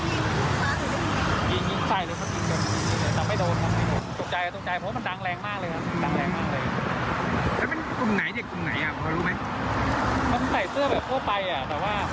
มันใส่เสื้อแบบทั่วไปอ่ะแต่ว่าผมก็ไม่รู้ว่าส่วนไหน